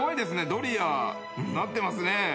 ドリアなってますね。